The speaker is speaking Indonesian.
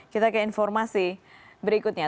kita ke informasi berikutnya